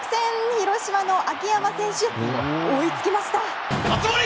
広島の秋山選手追いつきました！